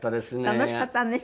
楽しかったわね